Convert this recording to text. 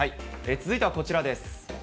続いてはこちらです。